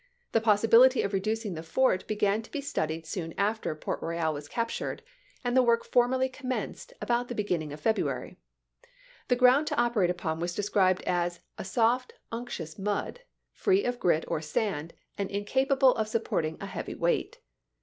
The possibility of reducing the fort began to be studied soon after Port Royal was captured, and the work formally commenced about the beginning of February. The 1862. ground to operate upon was described as "a soft unctuous mud, free of grit or sand, and incapa able of supporting a heavy weight.